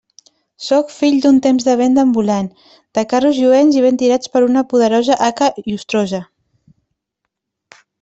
Sóc fill d'un temps de venda ambulant, de carros lluents i ben tirats per una poderosa haca llustrosa.